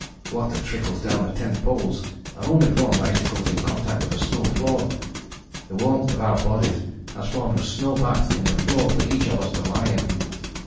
Water trickles down the tent poles and only forms icicles in contact with the snow floor. The warmth of our bodies has formed a snow bath in the floor for each of us to lie in.